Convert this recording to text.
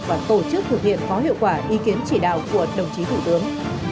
và tổ chức thực hiện có hiệu quả ý kiến chỉ đạo của đồng chí thủ tướng